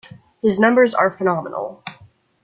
His numbers are phenomenal.